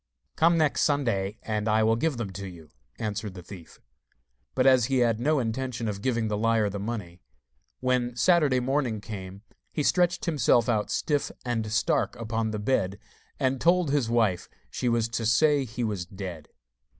'Come next Saturday, and I will give them to you,' answered the thief. But as he had no intention of giving the liar the money, when Saturday morning came he stretched himself out stiff and stark upon the bed, and told his wife she was to say he was dead.